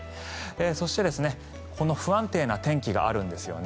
そして、この不安定な天気があるんですよね。